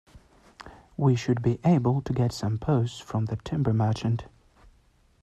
We should be able to get some posts from the timber merchant